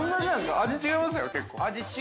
味違いましたよ、結構。